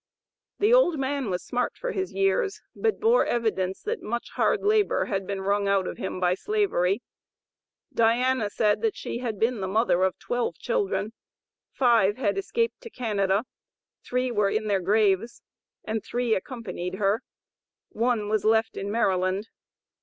The old man was smart for his years, but bore evidence that much hard labor had been wrung out of him by Slavery. Diana said that she had been the mother of twelve children; five had escaped to Canada, three were in their graves, and three accompanied her; one was left in Maryland.